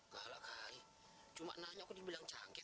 kalah kaya cuma nanya aku dibilang canggih